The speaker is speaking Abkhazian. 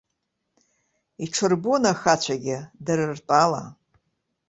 Иҽырбон ахацәагьы, дара ртәала.